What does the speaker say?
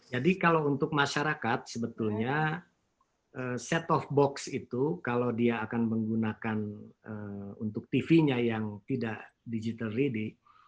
jadi kalau untuk masyarakat sebetulnya set of box itu kalau dia akan menggunakan untuk tv nya yang tidak digital ready